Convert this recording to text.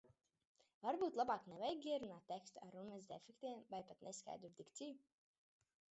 Varbūt labāk nevajag ierunāt tekstu ar runas defektiem vai pat neskaidru dikciju?